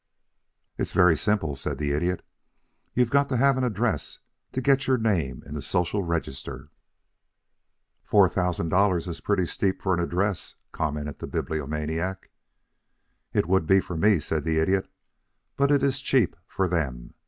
"It's very simple," said the Idiot. "You've got to have an address to get your name in the Social Register." "Four thousand dollars is pretty steep for an address," commented the Bibliomaniac. "It would be for me," said the Idiot. "But it is cheap for them.